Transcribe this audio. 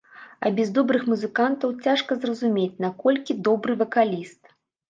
А без добрых музыкантаў цяжка зразумець, наколькі добры вакаліст.